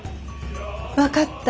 分かった。